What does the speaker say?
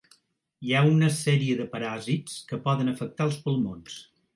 Hi ha una sèrie de paràsits que poden afectar els pulmons.